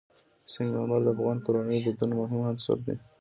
سنگ مرمر د افغان کورنیو د دودونو مهم عنصر دی.